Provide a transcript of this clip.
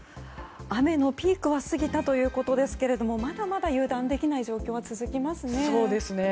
雨のピークは過ぎたということですがまだまだ油断できない状況が続きますね。